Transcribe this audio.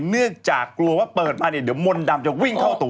เนื่องจากกลัวว่าเปิดมาเนี่ยเดี๋ยวมนต์ดำจะวิ่งเข้าตัว